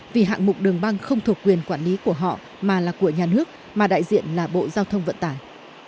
vì hạng mục đường băng không thuộc quyền quản lý của họ mà là của nhà nước mà đại diện là bộ giao thông vận tải